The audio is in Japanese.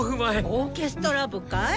オーケストラ部かい？